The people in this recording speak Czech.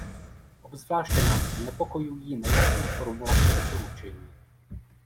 Obzvláště nás znepokojují nejasné formulace doporučení.